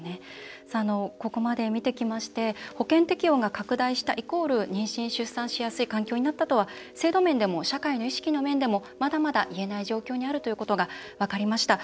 ここまで見てきまして保険適用が拡大したイコール妊娠、出産しやすい環境になったとは制度面でも社会の意識の面でもまだまだいえない状況にあるということが分かりました。